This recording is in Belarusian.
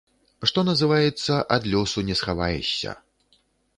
Што называецца, ад лёсу не схаваешся.